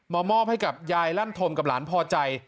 มอบให้กับยายลั่นธมกับหลานพอใจ